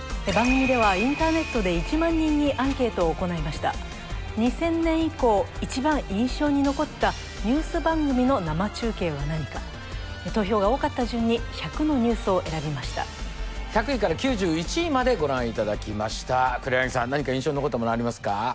番組ではインターネットで１万人にアンケートを行いました２０００年以降一番印象に残ったニュース番組の生中継は何か投票が多かった順に１００のニュースを選びました１００位から９１位までご覧いただきました黒柳さん何か印象に残ったものありますか